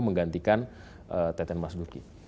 menggantikan teten mas duki